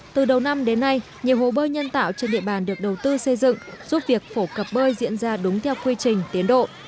từ đầu năm đến nay nhiều hồ bơi nhân tạo trên địa bàn được đầu tư xây dựng giúp việc phổ cập bơi diễn ra đúng theo quy trình tiến độ